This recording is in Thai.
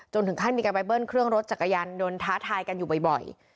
ถึงขั้นมีการไปเบิ้ลเครื่องรถจักรยานยนต์ท้าทายกันอยู่บ่อย